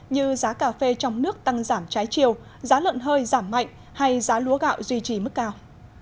như giá cà phê trong nước tăng giảm trái chiều giá lợn hơi giảm mạnh hay giá lúa gạo duy trì mức cao